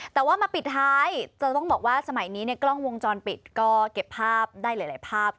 แต่ว่ามาปิดท้ายจะต้องบอกว่าสมัยนี้เนี่ยกล้องวงจรปิดก็เก็บภาพได้หลายภาพ